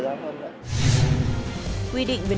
cũng gần đây nên là